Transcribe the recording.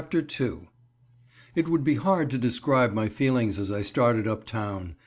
_ It would be hard to describe my feelings as I started up town.